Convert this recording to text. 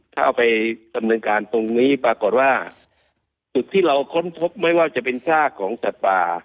ถ้าเอาไปดำเนินการตรงนี้ปรากฏว่าจุดที่เราค้นพบไม่ว่าจะเป็นซากของสัตว์ป่า